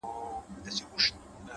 که هر څو دي په لاره کي گړنگ در اچوم”